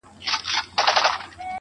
سوچه کاپیر وم چي راتلم تر میخانې پوري